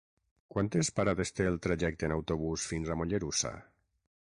Quantes parades té el trajecte en autobús fins a Mollerussa?